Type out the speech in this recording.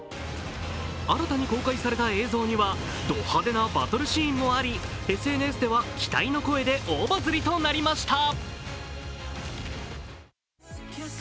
新たに公開された映像にはド派手なバトルシーンもありＳＮＳでは期待の声で大バズりとなりました。